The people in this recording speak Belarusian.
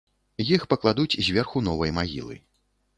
Іх пакладуць зверху новай магілы.